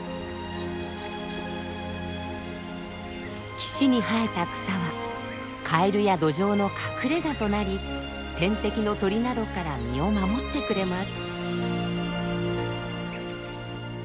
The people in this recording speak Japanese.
岸に生えた草はカエルやドジョウの隠れがとなり天敵の鳥などから身を守ってくれます。